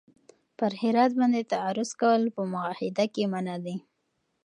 پر هرات باندې تعرض کول په معاهده کي منع دي.